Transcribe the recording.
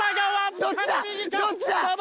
どっちだ？